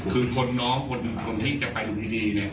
คือคนน้องคนที่จะไปลุมพินี